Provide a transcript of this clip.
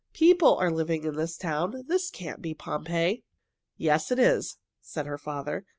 "People are living in this town. This can't be Pompeii." "Yes it is," said her father.